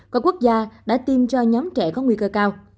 có quốc gia đã tiêm cho nhóm trẻ có nguy cơ cao